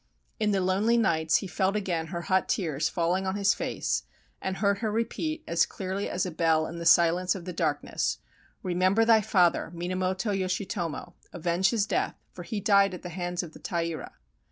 In the lonely nights he felt again her hot tears falling on his face, and heard her repeat as clearly as a bell in the silence of the dark ness: "Remember thy father, Minamoto Yoshitomo! Avenge his death, for he died at the hands of the Taira!"